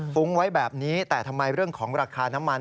ุ้งไว้แบบนี้แต่ทำไมเรื่องของราคาน้ำมัน